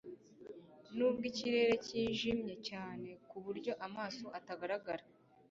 nubwo ikirere cyijimye cyane kuburyo amaso atagaragara